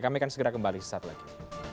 kami akan segera kembali saat lagi